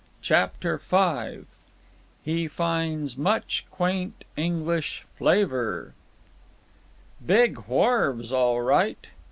CHAPTER V HE FINDS MUCH QUAINT ENGLISH FLAVOR Big wharves, all right.